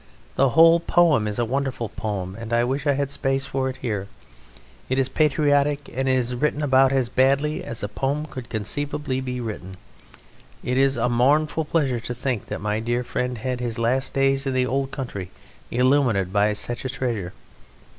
The whole poem is a wonderful poem, and I wish I had space for it here. It is patriotic and it is written about as badly as a poem could conceivably be written. It is a mournful pleasure to think that my dear friend had his last days in the Old Country illuminated by such a treasure.